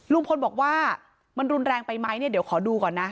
ลุงพลบอกว่ามันรุนแรงไปไหมเนี่ยเดี๋ยวขอดูก่อนนะ